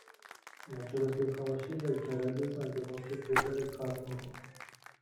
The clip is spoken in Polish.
"Na czele tej hałaśliwej czeredy znajdował się Fryderyk Hartmann."